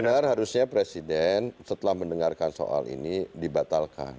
benar harusnya presiden setelah mendengarkan soal ini dibatalkan